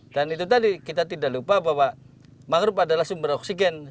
dan itu tadi kita tidak lupa bahwa mangrove adalah sumber oksigen